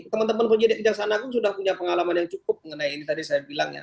teman teman penjelajah di kejaksanaan aku sudah punya pengalaman yang cukup mengenai ini tadi saya bilang ya